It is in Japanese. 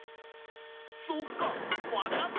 そっかわかった！